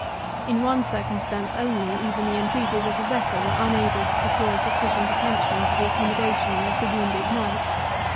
In one circumstance only even the entreaties of Rebecca were unable to secure sufficient attention to the accommodation of the wounded knight.